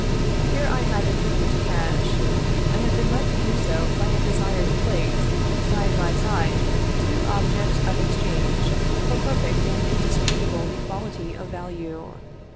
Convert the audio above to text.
Here I have introduced cash; I have been led to do so by a desire to place, side by side, two objects of exchange, of a perfect and indisputable equality of value.